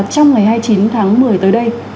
trong ngày hai mươi chín tháng một mươi tới đây